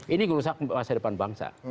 ini merusak masa depan bangsa